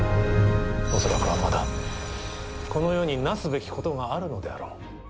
恐らくはまだこの世になすべきことがあるのであろう。